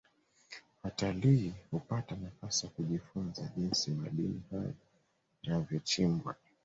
watalii hupata nafasi ya kujifunza jinsi madini hayo yanavyochimbwa